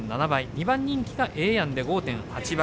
２番人気がエエヤンで５．８倍。